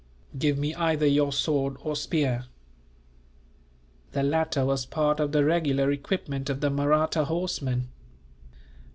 "Give me either your sword or spear." The latter was part of the regular equipment of the Mahratta horsemen.